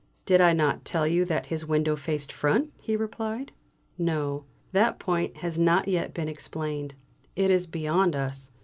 "Did I not tell you that his window faced front?" he replied. "No, that point has not yet been explained. It is beyond us!"